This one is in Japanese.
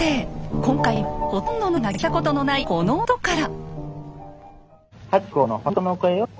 今回はほとんどの方が聞いたことのないこの音から。